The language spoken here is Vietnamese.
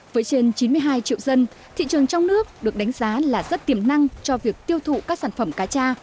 với trên chín mươi hai triệu dân thị trường trong nước được đánh giá là rất tiềm năng cho việc tiêu thụ các sản phẩm cá cha